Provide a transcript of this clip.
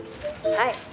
はい。